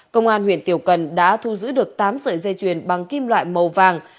công an huyện tiểu cần đã thu giữ được tám sợi dây chuyền bằng kim loại màu vàng